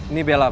ini bella pak